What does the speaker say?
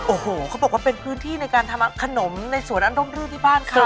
โอ้โหเขาบอกว่าเป็นพื้นที่ในการทำขนมในสวนอันร่มรื่นที่บ้านเขา